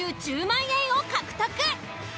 １０万円を獲得。